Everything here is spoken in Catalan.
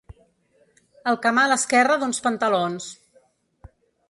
El camal esquerre d'uns pantalons.